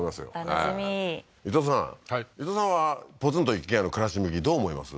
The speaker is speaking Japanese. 楽しみ伊藤さんはい伊藤さんはポツンと一軒家の暮らし向きどう思います？